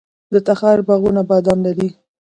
د تخار باغونه بادام لري.